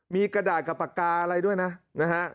มีกระดาษกับปากกาอะไรด้วยนะนะฮะ